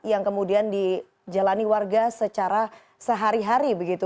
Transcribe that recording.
yang kemudian dijalani warga secara sehari hari begitu